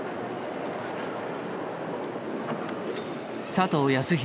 佐藤康弘